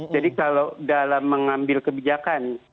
jadi kalau dalam mengambil kebijakan